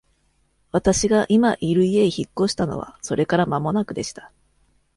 私が今居る家へ引っ越したのはそれから間もなくでした。